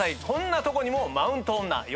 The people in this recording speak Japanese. こんなとこにもマウント女。